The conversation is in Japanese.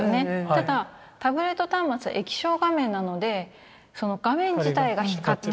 ただタブレット端末は液晶画面なのでその画面自体が光っている。